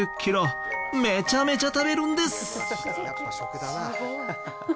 めちゃめちゃ食べるんです。